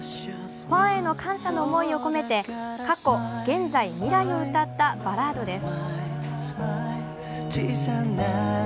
ファンへの感謝の思いを込めて過去・現在・未来を歌ったバラードです。